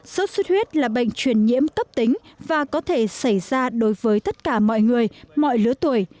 sốt xuất huyết là bệnh truyền nhiễm cấp tính và có thể xảy ra đối với tất cả mọi người mọi lứa tuổi